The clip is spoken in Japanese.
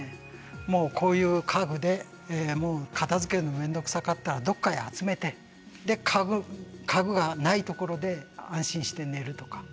もうこういう家具で片づけるの面倒くさかったらどっかへ集めて家具がないところで安心して寝るとか。